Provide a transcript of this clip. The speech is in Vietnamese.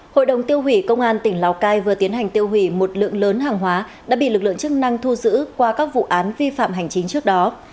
hội đồng tiêu hủy công an tỉnh lào cai vừa tiến hành tiêu hủy một lượng lớn hàng hóa đã bị lực lượng chức năng thu giữ qua các vụ án vi phạm hành chính trước đó